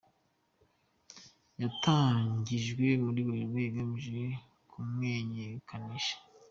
yatangijwe muri Werurwe igamije kumenyekanisha